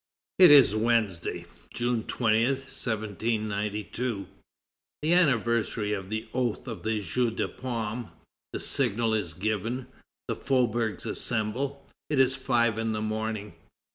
It is Wednesday, June 20, 1792, the anniversary of the oath of the Jeu de Paume. The signal is given. The faubourgs assemble. It is five in the morning.